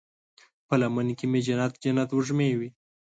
په لمن کې مې جنت، جنت وږمې وی